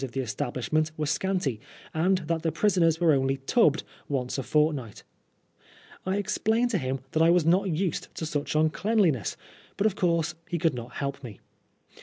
13^ of the establishment were scanty, and that the prisoners were only " tubbed " once a fortnight. I explained to him that I was not used to such undeanliness ; but of course he could not help me.